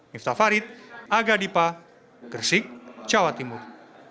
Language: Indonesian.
miftah farid aga dipa gresik jawa timur